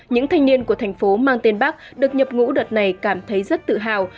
những thanh niên của thành phố mang tên bắc được nhập ngũ đợt này cảm thấy rất tự hào